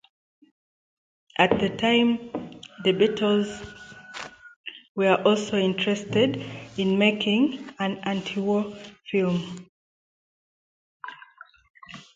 At the time, the Beatles were also interested in making an anti-war film.